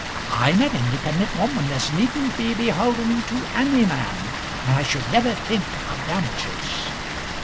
I'm an independent woman as needn't be beholden to any man, and I should never think of damages.